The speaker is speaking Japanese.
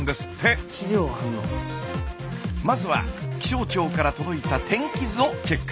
まずは気象庁から届いた天気図をチェック。